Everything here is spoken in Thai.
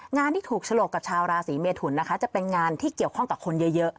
งานที่ถูกฉลกกับชาวราศีเมทุนนะคะจะเป็นงานที่เกี่ยวข้องกับคนเยอะ